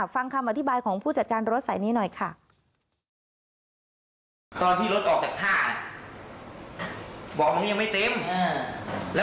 ฟังคำอธิบายของผู้จัดการรถสายนี้หน่อยค่ะ